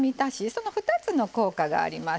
その２つの効果があります。